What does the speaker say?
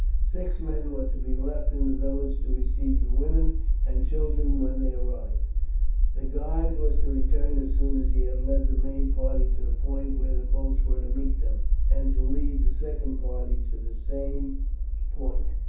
Six men were to be left at the village to receive the women and children when they arrived. The guide was to return as soon as he had led the main party to the point where the boats were to meet them, and to lead the second party to the same point.